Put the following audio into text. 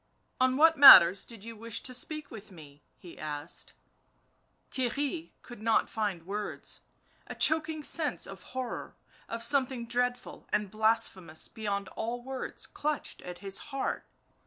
" On what matters did you wish to speak with me V 7 he asked. Theirry could not find words, a choking sense of horror, of something dreadful and blasphemous beyond all words clutched at his heart